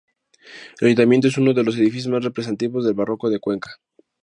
El Ayuntamiento es uno de los edificios más representativos del barroco de Cuenca.